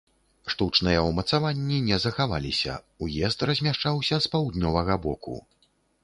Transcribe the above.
Штучныя ўмацаванні не захаваліся, уезд размяшчаўся з паўднёвага боку.